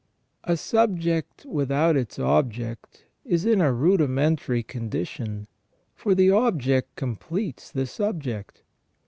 A subject without its object is in a rudimentary condition, for the object completes the subject.